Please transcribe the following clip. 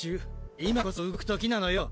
今こそ動く時なのよ！